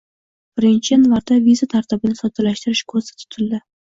Birinchi yanvardan viza tartibini soddalashtirish koʻzda tutildi.